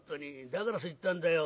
だからそう言ったんだよ。